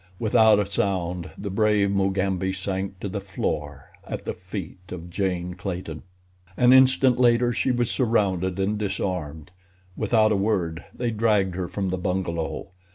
Without a sound the brave Mugambi sank to the floor at the feet of Jane Clayton. An instant later she was surrounded and disarmed. Without a word they dragged her from the bungalow.